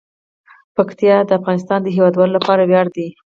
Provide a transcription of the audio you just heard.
پکتیا د افغانستان د هیوادوالو لپاره ویاړ دی.